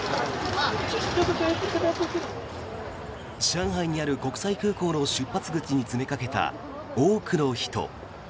上海にある国際空港の出発口に詰めかけた多くの人。